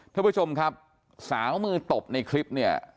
ทุกผู้ชมครับสาวมือตบในคลิปเนี่ย